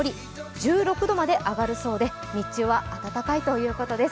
１６度まで上がるそうで日中は暖かいということです。